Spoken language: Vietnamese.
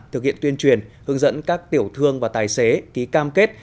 thực hiện tuyên truyền hướng dẫn các tiểu thương và tài xế ký cam kết